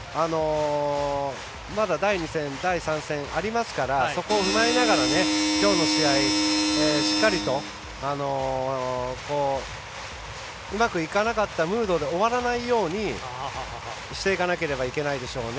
まだ第２戦、第３戦ありますからそこを踏まえながらきょうの試合うまくいかなかったムードで終わらないようにしていかなければいけないでしょうね。